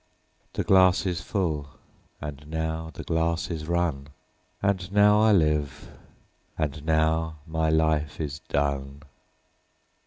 17The glass is full, and now the glass is run,18And now I live, and now my life is done.